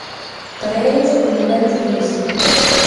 Para eles, os modelos virís.